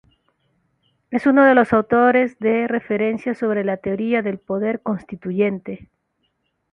Es uno de los autores de referencia sobre la teoría del poder constituyente.